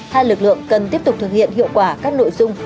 hai lực lượng cần tiếp tục thực hiện hiệu quả các nội dung